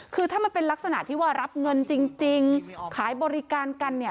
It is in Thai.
คือถ้ามันเป็นลักษณะที่ว่ารับเงินจริงขายบริการกันเนี่ย